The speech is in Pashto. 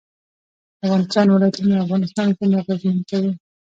د افغانستان ولايتونه د افغانانو ژوند اغېزمن کوي.